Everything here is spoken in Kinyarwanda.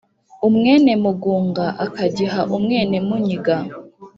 umwénemugunga akagiha umwénemúnyiga